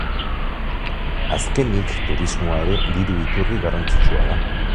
Azkenik turismoa ere diru iturri garrantzitsua da.